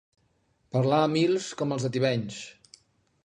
Parlar a mils, com els de Tivenys.